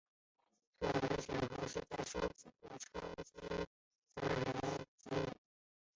最可能的候选者是在双子座的超新星残骸杰敏卡。